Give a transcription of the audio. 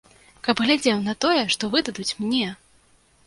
Каб глядзеў на тое, што выдадуць мне!